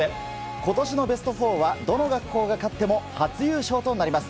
今年のベスト４はどの学校が勝っても初優勝となります。